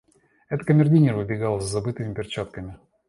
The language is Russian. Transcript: Это камердинер вбегал за забытыми перчатками.